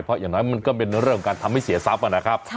เพราะอย่างน้อยมันก็เป็นเรื่องการทำให้เสียทรัพย์นะครับ